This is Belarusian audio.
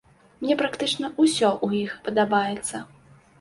Мне практычна ўсё ў іх падабаецца.